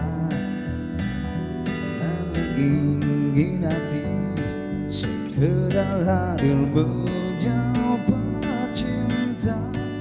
namun ingin hati segera hadir berjauh pacita